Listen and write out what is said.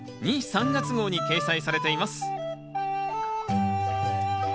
・３月号に掲載されています